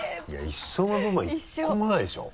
一緒の部分は１個もないでしょ。